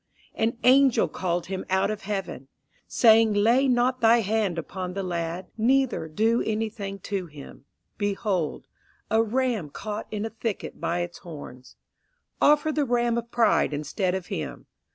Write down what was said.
an angel called him out of heaven, Saying, Lay not thy hand upon the lad, Neither do anything to him. Behold, A ram caught in a thicket by its horns; Offer the Ram of Pride instead of him.